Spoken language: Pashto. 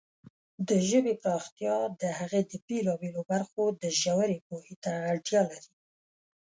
د ژبې پراختیا د هغې د بېلابېلو برخو د ژورې پوهې ته اړتیا لري.